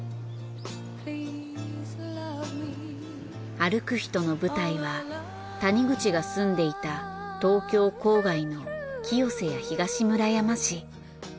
『歩くひと』の舞台は谷口が住んでいた東京郊外の清瀬や東村山市。